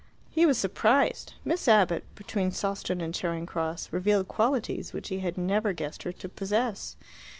He was surprised. Miss Abbott, between Sawston and Charing Cross, revealed qualities which he had never guessed her to possess.